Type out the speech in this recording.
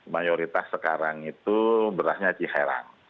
mayoritas sekarang itu berasnya ciherang